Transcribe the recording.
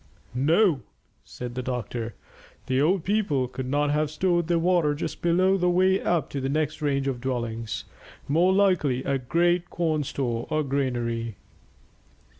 "No," said the doctor; "the old people could not have stored their water just below the way up to the next range of dwellings. More likely a great corn store or granary."